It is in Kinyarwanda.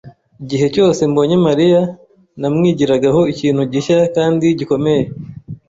Igihe cyose mbonye Mariya, namwigiraho ikintu gishya kandi gikomeye.